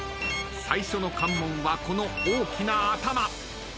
［最初の関門はこの大きな頭］